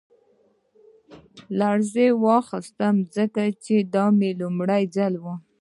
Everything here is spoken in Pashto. لړزې اخیستی وم ځکه دا مې لومړی ځل و